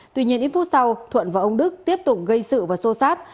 tuy nhiên ít phút sau thuận và ông đức tiếp tục gây sự và xô xát